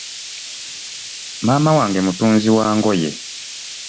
Maama wange mutunzi wa ngoye.